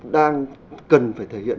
đang cần phải thể hiện